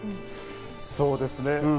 そうですね。